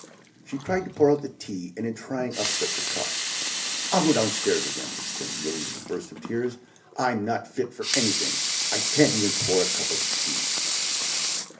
She tried to pour out the tea, and in trying upset the cup. "I'll go downstairs again!" exclaimed Neelie, with a burst of tears. "I'm not fit for anything; I can't even pour out a cup of tea!"